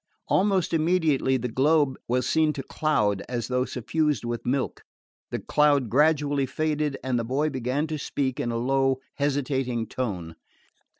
Almost immediately the globe was seen to cloud, as though suffused with milk; the cloud gradually faded and the boy began to speak in a low hesitating tone.